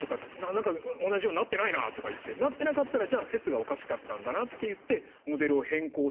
「何か同じようになってないな」とか言ってなってなかったら「じゃあ説がおかしかったんだな」って言ってモデルを変更して。